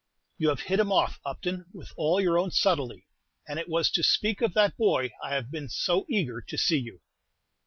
"You have hit him off, Upton, with all your own subtlety; and it was to speak of that boy I have been so eager to see you."